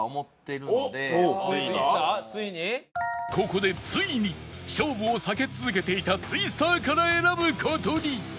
ここでついに勝負を避け続けていたツイスターから選ぶ事に